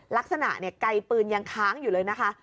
ลักษณะไกลปืนยังค้างอยู่เลยนะคะ